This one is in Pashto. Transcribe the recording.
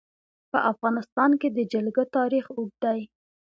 په افغانستان کې د جلګه تاریخ اوږد دی.